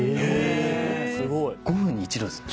５分に１度ですよね。